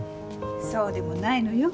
そうでもないのよ。